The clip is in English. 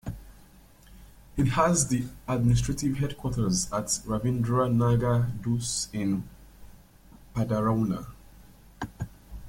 It has the administrative headquarters at Ravindra Nagar Dhoos in Padarauna.